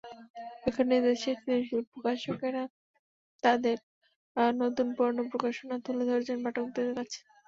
এখানেই দেশের সৃজনশীল প্রকাশকেরা তাঁদের নতুন-পুরোনো প্রকাশনা তুলে ধরেছেন পাঠকদের কাছে।